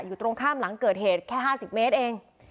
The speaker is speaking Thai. อยู่ตรงข้ามหลังเกิดเหตุแค่๕๐เมตรเอง